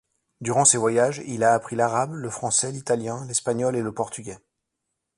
Durant ses voyages, il a appris l'arabe, le français, l'italien, l'espagnol et le portugais.